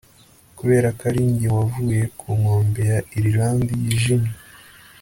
Kuberako ari njye wavuye ku nkombe ya Irilande yijimye